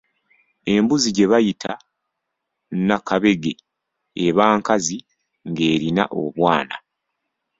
Embuzi gye bayita nakabege eba nkazi ng'erina obwana.